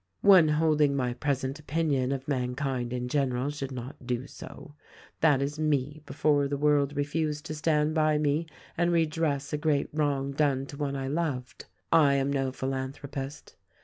One holding my present opinion of mankind in general should not do so. That is me before the world refused to stand by me and redress a great wrong done to one I loved. I am no philanthropist.